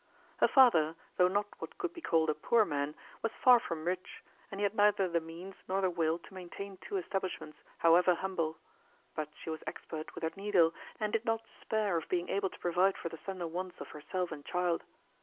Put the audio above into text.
Her father, though not what could be called a poor man, was far from rich, and he had neither the means nor the will to maintain two establishments, however humble. But she was expert with her needle, and did not despair of being able to provide for the slender wants of herself and child.